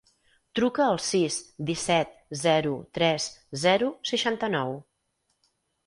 Truca al sis, disset, zero, tres, zero, seixanta-nou.